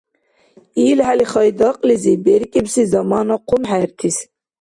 ИлхӀели Хайдакьлизиб беркӀибси замана хъумхӀертис.